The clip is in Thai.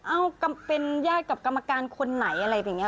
เอ้าเป็นญาติกับกรรมการคนไหนอะไรแบบนี้